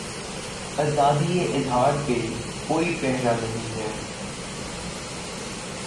آزادیء اظہارپہ کوئی پہرا نہیں ہے۔